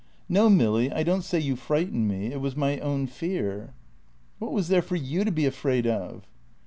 "No, Milly, I don't say you frightened me, it was my own fear." "What was there for you to be afraid of?"